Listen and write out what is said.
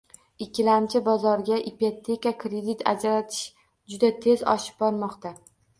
Ikkilamchi bozorga ipoteka kredit ajratish juda tez oshib bormoqda.